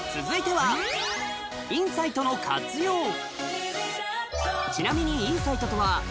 続いてはインサイトの活用